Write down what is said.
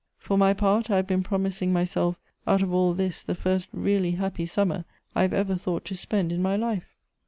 For my part, I have been promising myself out of all this the first really happy summer I have ever thought to spend in my life."